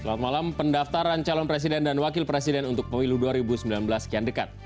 selamat malam pendaftaran calon presiden dan wakil presiden untuk pemilu dua ribu sembilan belas kian dekat